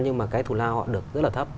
nhưng mà cái thù lao họ được rất là thấp